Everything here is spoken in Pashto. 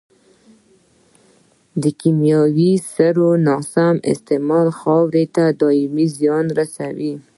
د کيمیاوي سرې ناسم استعمال خاورې ته دائمي زیان رسوي.